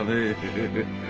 フフフ。